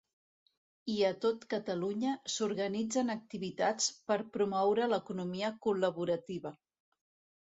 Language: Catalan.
I a tot Catalunya s'organitzen activitats per promoure l'economia col·laborativa.